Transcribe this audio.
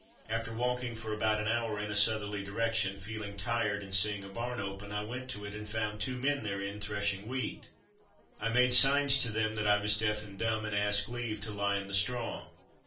After walking for about an hour in a southerly direction, feeling tired and seeing a barn open I went to it and found two men therein threshing wheat. I made signs to them that I was deaf and dumb, and asked leave to lie in the straw.